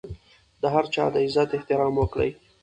د هر چا د عزت احترام وکړئ.